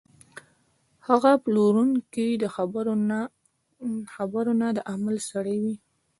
ښه پلورونکی د خبرو نه، د عمل سړی وي.